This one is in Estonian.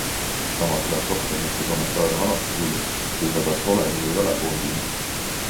Samas läheb Soccerneti kommentaarium alati hulluks, kui sa kas oled või ei ole koondises.